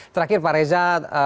terakhir pak reza